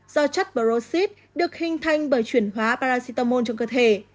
do chất peroxid được hình thành bởi chuyển hóa paracetamol trong cơ thể